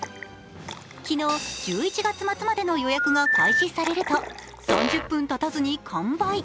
昨日、１１月末までの予約が開始されると３０分たたずに完売。